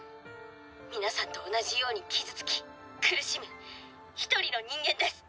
皆さんと同じように傷つき苦しむ一人の人間です。